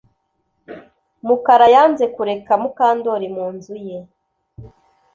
Mukara yanze kureka Mukandoli mu nzu ye